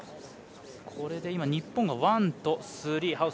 これで、日本がワンとスリー。